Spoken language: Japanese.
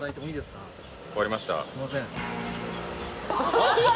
すいません。